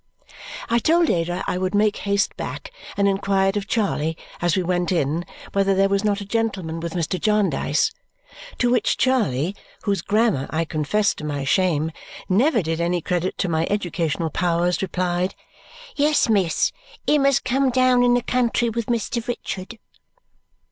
I told Ada I would make haste back and inquired of Charley as we went in whether there was not a gentleman with Mr. Jarndyce. To which Charley, whose grammar, I confess to my shame, never did any credit to my educational powers, replied, "Yes, miss. Him as come down in the country with Mr. Richard."